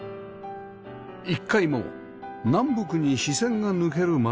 １階も南北に視線が抜ける間取り